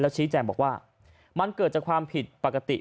ชี้แจงบอกว่ามันเกิดจากความผิดปกติ